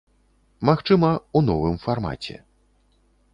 Магчыма, у новым фармаце.